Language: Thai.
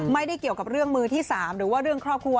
ไม่ได้เกี่ยวกับเรื่องมือที่๓หรือว่าเรื่องครอบครัว